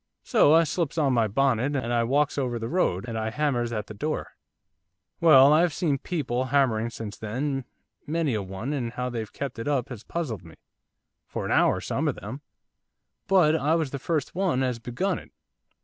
So I slips on my bonnet, and I walks over the road, and I hammers at the door. 'Well, I have seen people hammering since then, many a one, and how they've kept it up has puzzled me, for an hour, some of them, but I was the first one as begun it.